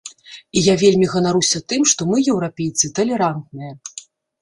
І я вельмі ганаруся тым, што мы, еўрапейцы, талерантныя.